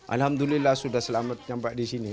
alhamdulillah sudah selamat nyampak di sini